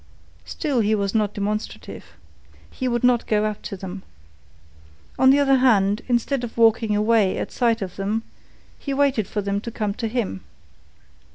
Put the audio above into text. Still he was not demonstrative. He would not go up to them. On the other hand, instead of walking away at sight of them, he waited for them to come to him.